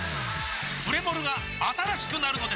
プレモルが新しくなるのです！